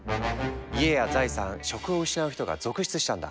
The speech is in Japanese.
家や財産職を失う人が続出したんだ。